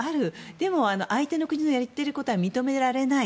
でも、相手の国のやっていることは認められない。